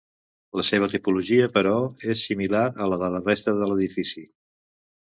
La seva tipologia però, és similar a la de la resta de l'edifici.